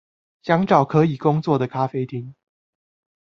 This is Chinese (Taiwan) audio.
想找可以工作的咖啡廳